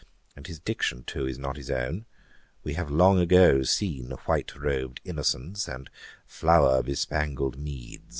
And his diction too is not his own. We have long ago seen white robed innocence, and flower bespangled meads.'